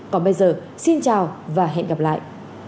còn bây giờ xin chào và hẹn gặp lại